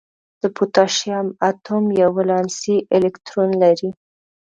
د پوتاشیم اتوم یو ولانسي الکترون لري.